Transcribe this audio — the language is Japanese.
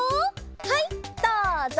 はいどうぞ！